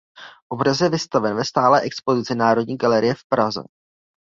Obraz je vystaven ve stálé expozici Národní galerie v Praze.